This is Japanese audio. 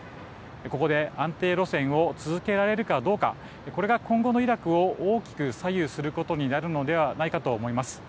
ここで安定路線を続けられるかどうかこれが今後のイラクを大きく左右することになるのではないかと思います。